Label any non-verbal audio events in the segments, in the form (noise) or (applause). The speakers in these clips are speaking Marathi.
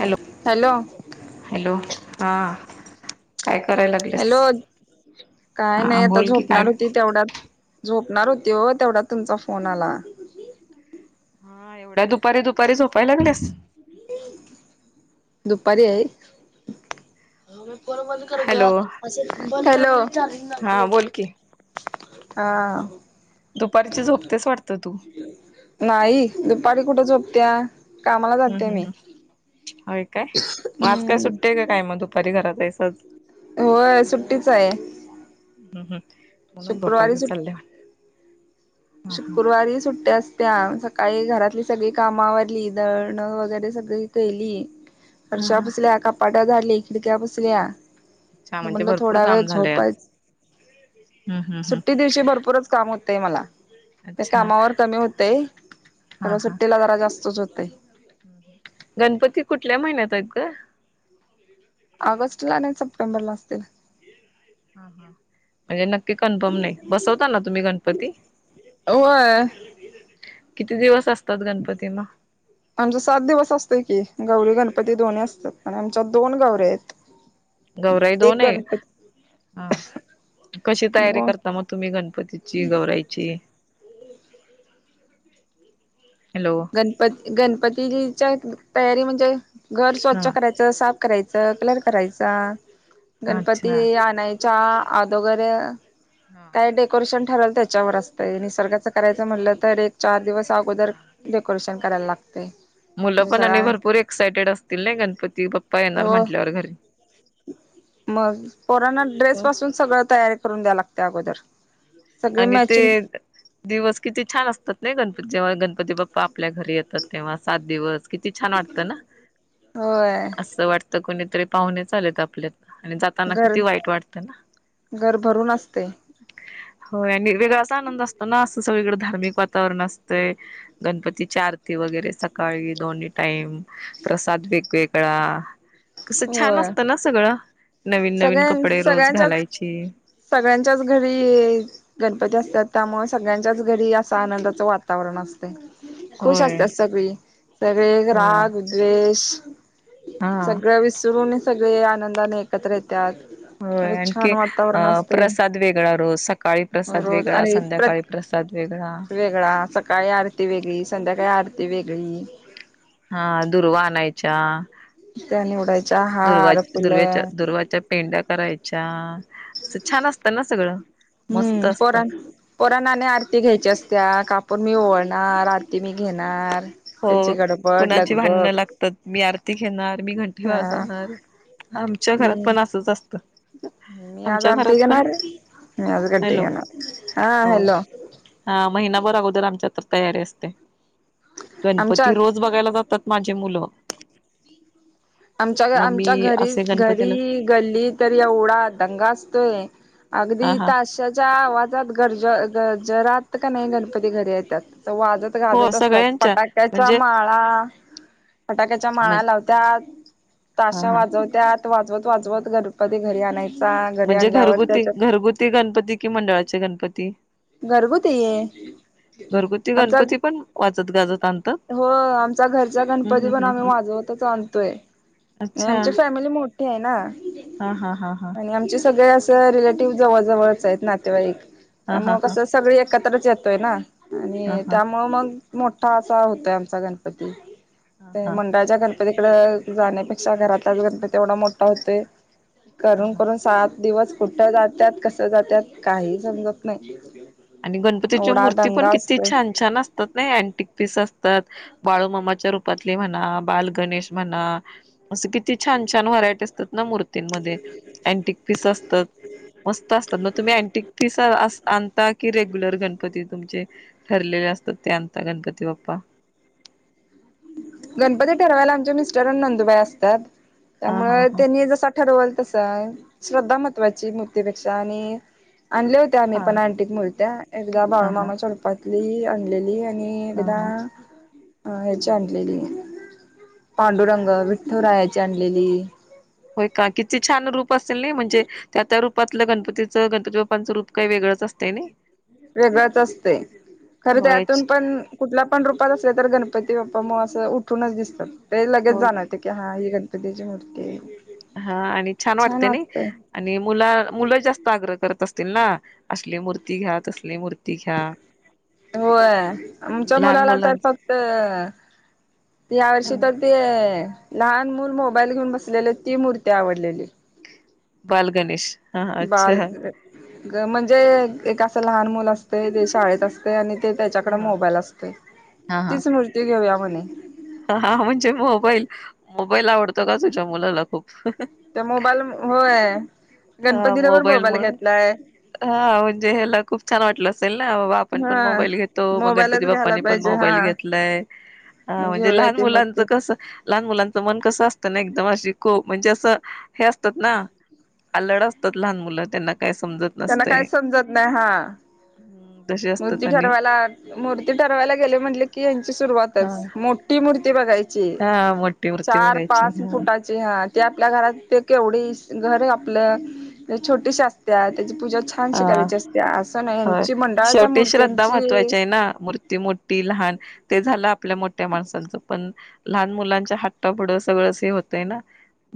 हॅलो हॅलो हा काय करायला लागलेस हॅलो काय हा नाही आता बोल की काय झोपणार होती तेवढयात झोपणार होती ओ तेवढयात तुमचा फोन आला. हा एवढ्या दुपारी दुपारी झोपाय लागल्यास? दुपारी आहे हॅलो हॅलो हा बोल की हा दुपारची झोपतेच वाटतं तू नाही दुपारी कुठ झो त्या का हम्, हम्, हम हाय काय मग आजकाय हम्म सुट्टी हाय काय मग दुपारी घरात आहेस? परत होय सुट्टीच आहे हम्म हम्म म्हणून शुक्रवारी झोपायचं सुट चाललंय वाटतं. हा हा शुक्रवारी सुट्टया आस त्या सकाळी घरातली सगळी काम आवरली दळणं वगैरे सगळी केली. हा फर्षा हा पूसल्या, कपाट झाडकी, खिडक्या पुसल्या अच्छा म्हणजे म्हणलं भरपूर थोडा वेळ काम झालंय आज झोपायच हम्म हम्म सुट्टी हम्म दिवशी भरपूरच काम होत ते मला ते अच्छा कामावर कमी होतय हा खर हा सुट्टीला जरा जास्तच होतय. ताक ऑगस्ट ला नाही सप्टेंबरला आसतील हा, हा म्हणजे नक्की कन्फर्म नाही बसवतो ना तुम्ही गणपती? होय किती दिवस आस आमचा सात दिवस असतोय कि गौरी गण पती दोन्ही आसत्यात आणि आमच्या दोन गौवर्या आहेत. गौराई एक दोन आहे गणपती हा कशी तयारी हो करता मग तुम्ही गणपतीची गौराईची? हॅलो. गणपती गणपती जीच्या तयारी म्हणजे घर स्वच्छ हा करायचं साफ करायचं कलर करायचा अच्छा गणपती आणाय च्या आदोगर हा. काय डेकोरेशन ठरल त्याच्यावर असतंय निसर्गाचं करायचं म्हटलं तर एक चार दिवस आगोदर डेकोरेशन कराय लागते मुलं पण आणि सगळ्या भरपूर एक्सायटेड असतील ना गणपती बाप्पा येणार हो म्हंटल्यावर घरी मग पोरांना ड्रेस पासून सगळं तयारी करून द्यालागते अगोदर सगळे आणि ते मॅचिंग दिवस किती छान असतात नाही गण जेव्हा गणपती बाप्पा आपल्या घरी येतात तेव्हा सात दिवस किती छान वाटत ना होय असं वाटत कुणीतरी पाहुणे च आलेत आपल्यात आणि जाताना घर किती वाईट वाटतं ना. घर भरून असते होय आणि वेगळाच आनंद असतो ना असं सगळीकडे धार्मिक वातावरण असतंय गणपतीची आरती वगैरे सकाळी दोन्ही टाईम प्रसाद वेगवेगळा कसं छान होय असतं ना सगळं नवीन नवीन सगळ्यां कपडे रोज सगळ्यांच्याच घालायची सगळ्यांच्याच घरी गणपती असतात त्यामुळे सगळ्यांच्याच घरी असं आनंदाचं वातावरण असत खुश होय असतात सगळी सगळे हो राग द्वेष हा सगळं विसरून सगळे आनंदाने एकत्र येतात हो अरे आणखी छान वातावरण अं असते प्रसाद वेगळा रोज सकाळी प्रसाद रोज वेगळा आणि प्र संध्याकाळी प्रसाद वेगळा वेगळा सकाळी आरती वेगळी संध्याकाळी आरती वेगळी हा दुर्वा आणायच्या त्या निवडायच्या दुर्वा हार दुर्व्याच्या फुलं दुर्वाच्या पेंड्या करायच्या असं छान असतं ना सगळं मस्त हम्म असतं पोरां पोरांना आरती घ्यायच्या असत्या का मी ओळनार आरती मी घेणार हो त्याची गडबड कुणाची लगबग भांडणं लागतात मी आरती घेणार मी घंटी हा वाजवणार आमच्या घरात पण असंच असत मी आज आरधी घेणार मी आज गद्दी हॅलो घेणार हा होय हॅलो हा महिनाभर अगोदर आमच्या तर तयारी असते गणपती आमच्यात रोज बघायला जातात माझ्या मुल आमच्या आमच्या घरी घरी गल्ली तर एवढा दंगा असतोय अगदी हा हा ताशाच्या आवाजात गरज गजरात का नाही गणपती घरी येतात वाजत हो गाजत असतात सगळ्यांच्या फटाक्याच्या म्हणजे माळा फटाक्याच्या माळा हा लावतात ताश्या हा वाजवत्यात वाजवत वाजवत गणपत घरी आणाय म्हणजे घरगुती घरगुती गणपती कि मंडळाचे गणपती घरगुती (inaudible) ये आमचा त्या हो आमचा घरचा गणपती हम्म पण हम्म आम्ही हम्म वाजवतच आणतोय आणि अच्छा आमची फॅमिली मोठ मोठी आहे ना हा हा हा हा आणि आमचे सगळे असं रिलेटिव्ह जवळजवळच आहेत नातेवाईक हा (inaudible) हा मग हा कस सगळी एक च येतोय ना हा आणि हा त्यामुळ मग मोठा असा होतय आमचा गणपती हा ते हा मुंडाळाचा गणपती इड जाण्यापेक्षा घरातच घण तेवढा मोठा होते हा करून हा करून सात दिवस कुठं जातात कस जातात काही समजत नाही आणि गणपतीची एवढा मूर्ती पण दंगा किती असतोय छान छान असतात ना अँटिक पीस असत बाळू मामाच्या रूपातली म्हणा बाल गणेश म्हणा अस किती छान छान व्हरायटी असतात ना मूर्ती त्य मधे अँटिक पीस मस्त अस्ता मॅग तुमी अँटिक अस अनत कि रेग्युलर गणपती तुमचे ठरलेले असतात ते अता गणपती बाप्पा (inaudible) गणपती ठरवायला आमचे मिस्टर आणि नंदुबाई असतात हा हा त्यामुळे हा त्यांनी जसा ठरवल तसं आहे श्रद्धा महत्त्वाची मूर्तीपेक्षा आणि आणले होते आम्ही हा पण आंटीत मुलत्या एकदा हा हा बाळूमामा चलपात मी आणलेली आहे मी एकदा हा हा (inaudible) अ हा (unintelligible) पांडू हा रंग वि विठुराया ची आणलेली होय का किती छान रूप अस नाही म्हणजे त्या रपातलं गणपतीचं गणपती बाप्पांच रूप काही वेगळंच असतय नाही. वेगळंच असतय. खर होय त्यातून पण कुठल्या पण रूपात असल्या तर गणप ती बाप्पा म असं उठूनच दिसत. ते लगेच होय जाणवत की हा ही गण पतीची मुर्तीय. हा आणि छान वाटतय नाई आणि मुला मुलं जास् आग्रह करत असतील ना, असली मूर्ती घ्या, तसली मूर्त होय, आमच्या लहान मुलाला तर मुलांच फक्त, या वर्षी तर ते लहान मुल मोबाईल घेऊन बसलेल, ती मूर्ती आवडलेली. बाल गणेश. हा अच्छा. ग म्हणजे एक असं लहान मुल असतय, ते शाळेत असतय आणि ते त्याच्याकडे हा मोबाईल असतय, हा तीच मूर्ती घेऊया (unintelligible) (unintelligible) (unintelligible) हा म्हणजे मोबाईल, मोबाईल आवडतो का तुझ्या मुलाला खूप. (unintelligible) त्या मोबाईल मु होय. हा गणपतीला पण मोबाईल मोबाईलमुळं घेतलाय म्ह हा म्हणजे ह्याला खूप छान वाटलं असेल ना, बाबा आपण पण हा. मोबाईल घेतो, मग गणपती मोबाईलच घ्यायला बाप्पानी पण पाहिजे हा मोबाईल घेतलाय. हा म्हणजे घेऊया लहान ती मुलांच मूर्ती कस, लहान मुलांच मन कस अस एकदम अशी को म्हणजे असं, हे असतात ना, अल्लड असतात लहान मुलं, त्यांना काय समजत त्यांना नसतय. काय समजत नाही हा. हम्म तशी मूर्ती असतात आणि ठरवायला, मूर्ती ठरवायला गेले म्हटले की, हे हा सुरवातच मोठी मूर्ती बघायची. हा मोठी (unintelligible) मूर्ती चार बघायची पाच हा फुटाची ते आपल्या घरात ते केवढी घर आपलं, छोटीशी असतया त्याची पूजा छानशी हा करायची असते, असं नाही. होय. यांची मंडळात शेवटी श्रद्धा महत्वाचीय ना मूर्ती मोठी, लहान ते ल आपल्या मोठ्या माणसाच पण, लहान मुलांच्या हट्टापुढं सगळच हे होतय ना,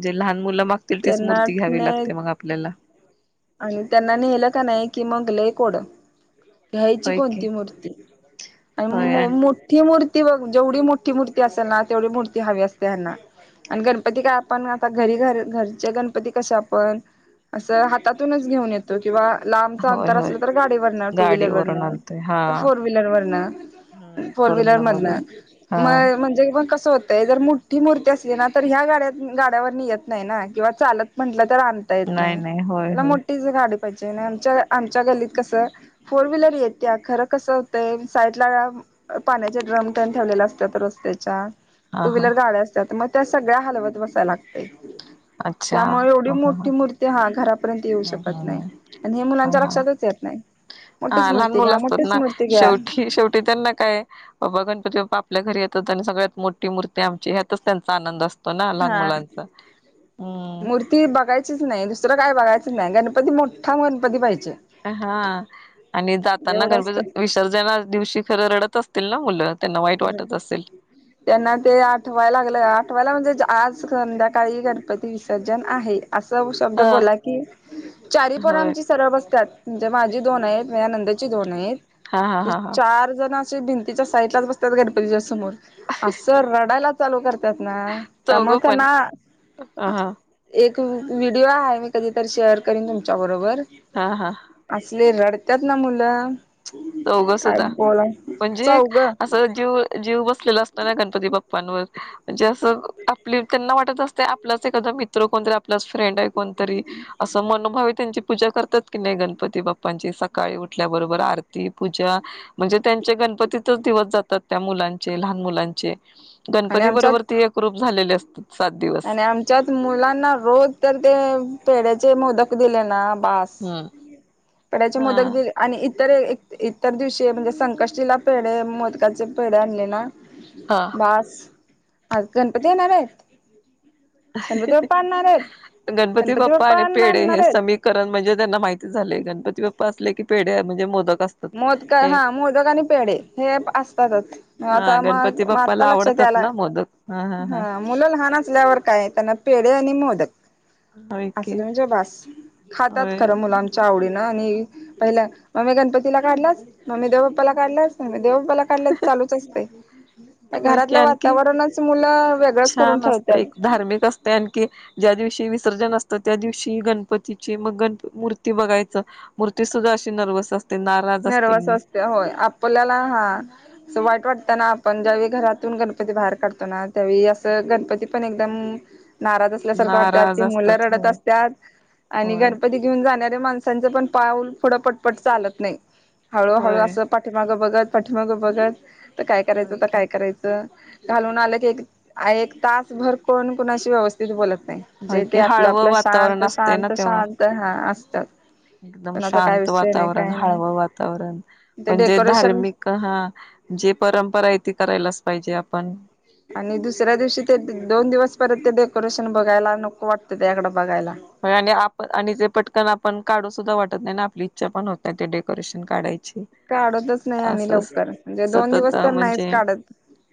जे लहान मुलं माग तील तीच त्यांना मूर्ती घ्यावी लागते मग आपल्याला. आणि त्यांना नेलं का नाही कि मग लय कोडं. घ्यायची होय की कोणती मूर्ती, आणि मो मोठी मूर् त जेवढी मोठी मूर्ती असेल ना, तेवढी मूर्ती हवी असते ह्यांना, आणि गणपती काय आपण आता घरी घर घरचे गणपती कसे आपण असं त्यातूनच घेऊन येतो किंवा लांबच होय अंतर होय असलं, तर गाडीवरन, टू व्हिलर वरन, गाडीवरून आणतोय हा फोर व्हीलर वरन, फोर व्हीलर मधन हा म म्हणजे कस होतय जर मुठ्ठी मूर्ती असली ना तर ह्या गाड्या गाड्यावरनी येत नाही ना किंवा चालत म्हनल तर आणता येत नाही. त्याला मोठीच गाडी पाहिजे आमच्या आमच्या गल्लीत कसं फोर व्हीलर येत ते खरं कसं होतंय साईडला पाण्याचे ड्रम त्यांनी ठेवलेला असत रस्त्याच्या हा टू हा व्हीलर गाड्या असतात म त्या सगळ्या हलवत बसाय लागतय अच्छा त्यामुळे एवढी मोठी मूर्ती हा घरा ह ह ह हा लक्षातच येत नाही हा मोठीच लहान मूर्ती मुलं घ्या असतात मोठीच ना मूर्ती घ्या शेवटी शेवटी त्यांना काय बाबा गणपती बाप्पा आपल्या घरी येतात आणि सगळ्यात मोठी मूर्ती आमची ह्यातच त्यांचा आनंद असतो ना लहान हा मुलांचा. हम्म मूर्ती बघायचीच नाही दुसरं काय बघायचं नाही गणपती मोठा गणपती पाहिजे. हा आणि जाताना एवढं गणपती असतंय विसर्जना दिवशी खरं रडत असतील ना मुलं त्यांना वाईट वाटत असेल. त्यांना ते आठवायला लागलं आठवायला म्हणजे आज संध्याकाळी गणपती विसर्जन आहे. असं शब्द ह बोला की चारीपण होय आमची सरळ बसतात म्हणजे माझी दोन आहेत मया नंदेची दोन आहेत हा हा हा हा चार जण भिंतीच्या साईड ला त्यात गणपतीच्यासमोर असं रडायला चालू करता त्यामुळे ना चौघं पण हा त्यांना हा एक व्हिडिओ आहे मी कधीतर शेअर करीन मी तुमच्या बरोबर हा हा असले रड त्यात ना मुलं काय चौघसद्धा बोला म्हणजे चौघ असं जीव जीव बसलेला असत ना गणपती बाप्पांवर म्हणजे असं आपली त्यांना वाटत असते आपलाच एखादा मित्र कोणतरी आपलाच फ्रेंड आहे कोणतरी असं मनोभावि त्यांची पूजा करतात की नाही गणपती बाप्पांची सकाळी उठल्याबरोबर आर ती पूजा म्हणजे त्यांचे गणपतीतच दिवस जातात त्या मुलांचे लहान मुलांचे आणि गणपती आमच्यात बरोबर ते एक रूप झालेले असते आणि आमच्यात मुलांना रोज तर ते पेड्याचे मोदक दिले ना. पास हम्म पड्याचे मोदक हा दिले आणि इतर. इ तर इतर दिवशी म्हणजे संकष्टीला पेढ मोदकाचे पेढ आणले ना हा बास आज गणपती येणार हाय गणपती बाप्पा आणि पेढे हे समीकरण म्हणजे त्यांना माहिती झालेय गणपती गणपती बाप्पा असले पेढे हाय म्हणजे मोदकतो मोदक हा मोदक आणि पेढ हे असतातच हा आता मग गणपती आत्ता बाप्पाला लक्षात आवडतात याल ना मोदक हा हा हा ह मुलं लहान असल्यावर काय त्यांना पेढ आणि मोदक. होय की असलं म्हणजे बास खातात होय खरं मुलं आमची आवडी ना नी पहिल्या आम्ही गणपती तिला काढलस मम्मी देव बाप्पाला काढलं मम्मी देवबाप्पाला काढलसं चालूच असतय त्या होय की घरातलं आणखी वातावरणच मुलं वेगळच करून छान असतं ठेवतात. शी विसर्जन असत त्या दिवशी गणपतीची मग गण मूर्ती बघायच मूर्ती सुद्धा अशी नर्वस असं. नर्व्हस असत्या होय आपल्याला हा. असं वाईट वाटत ना पण ज्यावेळी घरातून गणपती बाहेर काढतो ना त्यावेळी असं गणपती पण एकदम. नाराज असल्यासारखं वाटतात नाराज ते मुलं असतात रडत हो असतात आणि होय गणपती घेऊन जाण्यात ते माणसांचं पण पाऊल पुढे पटपट चालत नाही हळूहळू होय असं पाठीमागं बघत पाठीमाग बघत त काय करायचं होय आता की काय करायचं. घालून आल की एक एक तासभर कोण कोणाशी व्यवस्थित बोलत नाही. नई होय जे की तेे आपलं हळवं आपलं शांत वातावरण असतंय ना शांत तेव्हा शांत हा असं. तर. एकदम शांत वातावरण नाही हळवं वा तावरण ते पण जे डेकोरेशन धार्मिक हा जी परंपरा आहे ती करायलाच पाहिजे आपण आणि दुसऱ्या दिवशी ते दोन दिवस परत ते डेकोरेशन बघायला नको वाटतं त्याकडं बघायला आणि आप आणि ते पटकन आपण काढू सुद्धा वाटत नाही आणि आपली इच्छा पण होतय ते डेकोरेशन काढायची काढतच नाही अस आम्ही लवकर म्हणजे दोन सतत दिवस तर नाहीच म्हणजे काढत.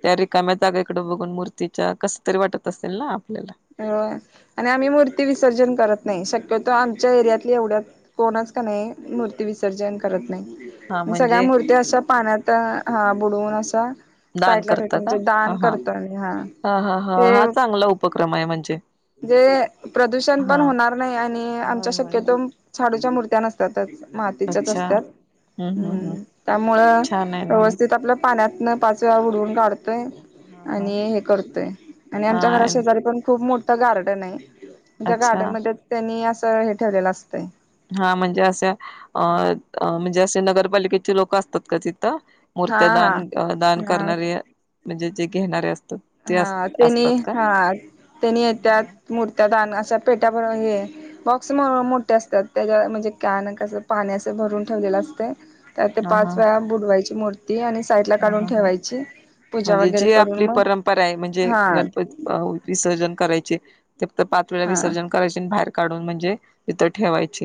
त्या रिकाम्या जागा इकड बघून मूर्ती तिच्या कस तरी वाटत असेल ना आपल्याला अ आम्ही मूर्ती विसर्जन करत नाही शक्यतो आमच्या एरियातली एवढ्या कोणच कणी मूर्ती विसर्जन करत हा नाही सगळ्या म्हणजे मूर्ती अशा पाण्यात आता हा बुडवून असा दान करत का ह हा आम्ही हा ह ह ह हा ते चांगला उपक्रम आहे म्हणजे. जे प्रदूषण पण हा होणार नाही आणि आमच्या होय होय शक्यतो होय शाडूच्या मूर्ती त्या नसतातच मातीच्याच अच्छा असतात, हम्म त्यामुळे छान आहे ना मग व्यवस्थित आपलं पाण्यातन पाच वेळा बुडवून काढ हा हा आणि हे करतोय आणि आमच्या घराात हा शेजारी पण खूप मोठ तर गार्डन आहे त्या अच्छा गार्डनमध्ये त्यांनी अस तर हे ठेवलेलं असत हा म्हणजे असे अ म्हणजे असे नगरपालिकेची लोक असतात का ति हा मूर्त्या हा दान दान हा करणारे म्हणजे ते घेणारे असतील हा त्यांनी हा त्यांनी त्या हा मूर्त्या दान अस त्याच्या पेट्या भ हे बॉक्स मोठे असतात, त्याच्या म्हणजे कॅन कसं पाणी असं भरून ठेवलेलं असतं. त्या ते हा ह पाच वेळा बुडवायची मूर्ती ते आणि साईड ला काढून ह ह ठेवायची पूजा म्हणजे वगैरे जी करून आपली मग परंपरा म्हणजे हा गणपती विसर्जन. करायचे ते तर पाचवीला हा विसर्जन करायचे बाहे काढून म्हणजे ते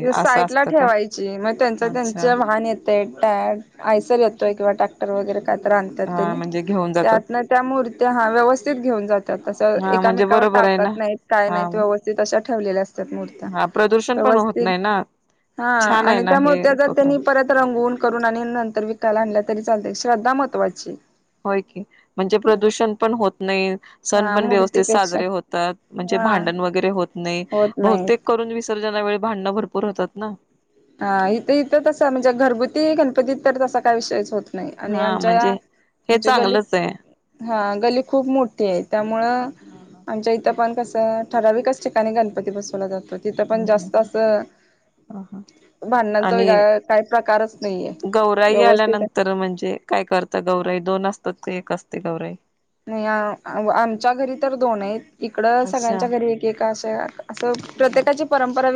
त साईटला ठेवायची मग, त्यांच त्यांच अच्छा वाहन येतय टॅ आयसर येतोय किंवा टॅक वगैर हा म्हणजे घेऊन जातात त्यात न त्या मुर्त्या हा व्यवस्थित घेऊन जातातत, हा म्हणजे एकामेकावर बरोबर आहे ना टाकत नाही, काय हा नाही व्यवस्थित अशा. ठेवलेला अस हा प्रदूषण पण होत नाही ना छान आहे हा ना त्यामुळे हे त्याचा उपक्रम त्यांनी परत फोन करून आणि नंतर विकायला आणल्या तरी चालते श्रद्धा महत्वाची. होय की म्हणजे प्रदूषण पण होत नाही, सण हा पण व्यवस्थित मूर्तीपेक्षा साजरे होतात, म्हणजे हा भांडण वगैरे होत नाही. होत नाहीत बहुतेक करून विसर्जनावेळी भांडणं भरपूर होतात ना. हा इथ इथं तसं म्हणजे घरगुती गणपती तर तसा काय विषयच होत नाही आणि हा आमच्या, म्हणजे हे म्हणजे गल्ली, चांगलंच आहे हा गल्ली खूप मोठी आहे. त्यामुळे हा हा आमच्या इथं पण ठराविकच ठिकाणी गणपती बसवला जातो. तिथं पण हम्म जास्त हम्म असं ह भांडणांचा आणि वेगळा काही प्रकारच नाहीये गौराई व्यवस्थित आल्यानंतर म्हणजे काय करता गौराई दोन असतात का एक असते गवराई? नाही आमच्या घरी तर दोन आहे इकड अच्छा सगळ्यांच्या घरी एक एक (unintelligible) असं हा प्रत्येकाची परंपरा